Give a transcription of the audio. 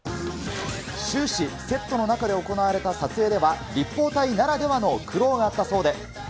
終始、セットの中で行われた撮影では、立方体ならではの苦労があったそうで。